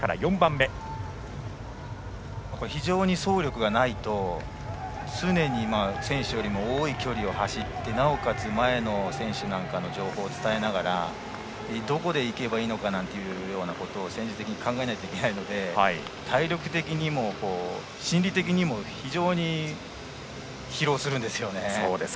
ガイドランナーは非常に走力がないと常に選手よりも多い距離を走ってなおかつ前の選手の情報を伝えながらどこでいけばいいのかということを戦術的に考えないといけないので体力的にも心理的にも非常に疲労するんですよね。